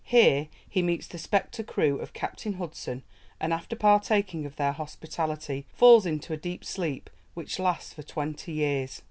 Here he meets the spectre crew of Captain Hudson, and, after partaking of their hospitality, falls into a deep sleep which lasts for twenty years.